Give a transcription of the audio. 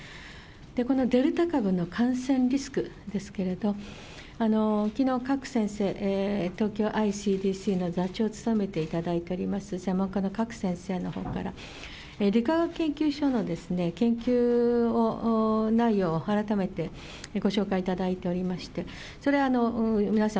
このデルタ株の感染リスクですけれども、きのう、賀来先生、東京ＩＣＤＣの座長を務めていただいております、専門家の各先生のほうから、理化学研究所の研究内容を改めてご紹介いただいておりまして、それは皆さん